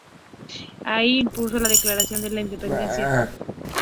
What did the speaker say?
Allí impulsó la declaración de la Independencia.